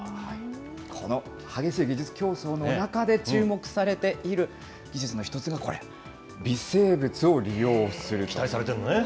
この激しい技術競争の中で注目されている技術の一つがこれ、期待されてるのね？